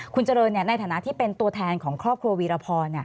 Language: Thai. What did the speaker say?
คุณเจริญในฐานะที่เป็นตัวแทนของครอบครัววีรพร